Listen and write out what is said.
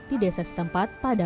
di desa setempat pada